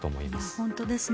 本当ですね。